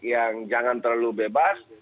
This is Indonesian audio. yang jangan terlalu bebas